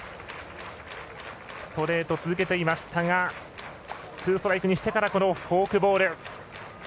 ストレート、続けていましたがツーストライクにしてからこのフォークボール。